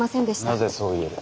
なぜそう言える。